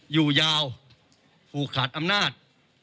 อยู่ยาวผูกขาดอำนาจ